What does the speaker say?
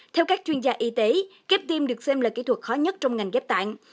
theo các chuyên gia y tế ghép tim được xem là kỹ thuật khó nhất trong ngành ghép tạng